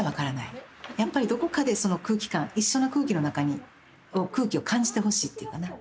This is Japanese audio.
やっぱりどこかでその空気感一緒の空気の中に空気を感じてほしいっていうかな。